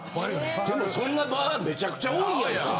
でもそんな場めちゃくちゃ多いやんか。